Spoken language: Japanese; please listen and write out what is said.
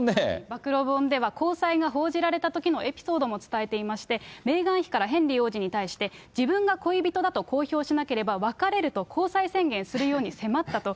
暴露本では、交際が報じられたときのエピソードも伝えていまして、メーガン妃からヘンリー王子に対して、自分が恋人だと公表しなければ別れると、交際宣言するように迫ったと。